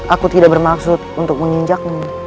aku tidak bermaksud untuk menginjakmu